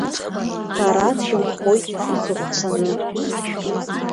Сара сынхоит исыхәҭаны.